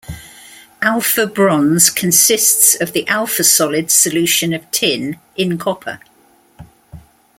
Alpha bronze consists of the alpha solid solution of tin in copper.